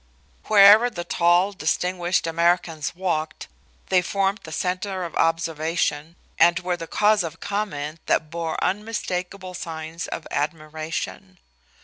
Wherever the tall, distinguished Americans walked they formed the center of observation, and were the cause of comment that bore unmistakable signs of admiration.